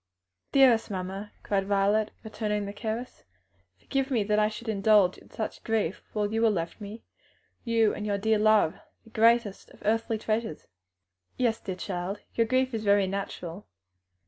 "Dearest mamma!" cried Violet, returning the caress, "forgive me that I should indulge in such grief while you are left me you and your dear love, the greatest of earthly treasures." "Yes, dear child, your grief is very natural.